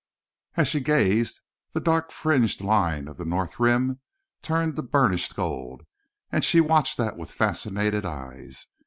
As she gazed the dark fringed line of the north rim turned to burnished gold, and she watched that with fascinated eyes.